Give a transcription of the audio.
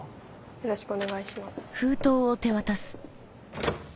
よろしくお願いします。